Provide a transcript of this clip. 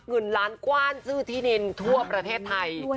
เงินล้านกว้านซื้อที่ดินทั่วประเทศไทย